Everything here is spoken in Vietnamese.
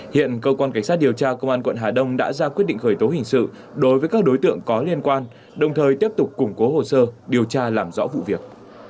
hiện cơ quan cảnh sát điều tra công an quận hà đông đã ra quyết định khởi tố hình sự đối với các đối tượng có liên quan đồng thời tiếp tục củng cố hồ sơ điều tra làm rõ vụ việc